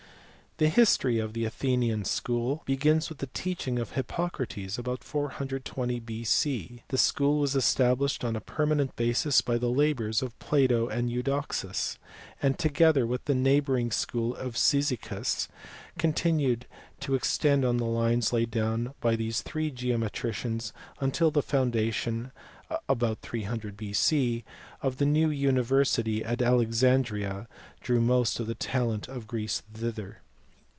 The history of the Athenian school begins with the teaching \ of Hippocrates about 420 B.C. ; the school was established on a permanent basis by the labours of Plato and Eudoxus; and, together with the neighbouring school of Oyzicus, continued to extend on the lines laid down by these three geometricians until the foundation (about 300 B.C.) of the new university at Alexandria drew most of the talent of Greece thither.